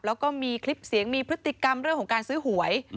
แล้วก็มีคลิปเสียงมีพฤติกรรมเรื่องของการซื้อหวย